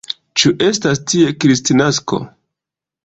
Ĉu estas tie Kristnasko?